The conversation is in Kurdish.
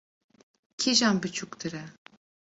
Kîjan biçûktir e?